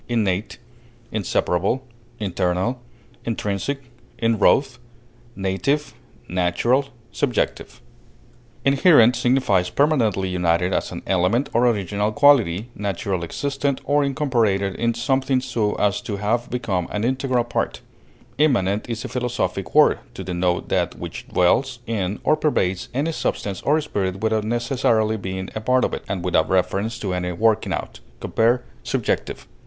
inborn, ingrained, intrinsic, inbred, inhering, inwrought, Inherent signifies permanently united as an element or original quality, naturally existent or incorporated in something so as to have become an integral part. Immanent is a philosophic word, to denote that which dwells in or pervades any substance or spirit without necessarily being a part of it, and without reference to any working out (compare SUBJECTIVE).